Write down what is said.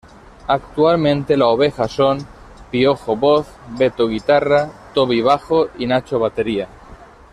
Actualmente la oveja son: Piojo voz, Beto guitarra, Tobi bajo y Nacho batería.